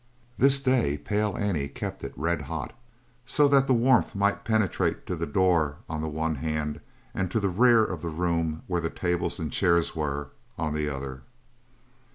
This day Pale Annie kept it red hot, so that the warmth might penetrate to the door on the one hand and to the rear of the room where the tables and chairs were, on the other.